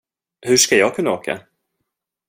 Hur ska jag kunna åka?